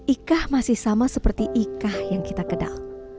ika masih sama seperti ika yang kita kenal